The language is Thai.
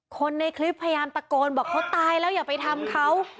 คนในคลิปพยายามตะโกนบอกเขาตายแล้วอย่าไปทำเขา